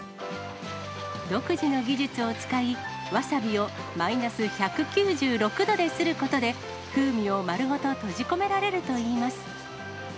独自の技術を使い、ワサビをマイナス１９６度ですることで、風味を丸ごと閉じ込められるといいます。